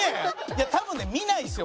いや多分ね見ないですよ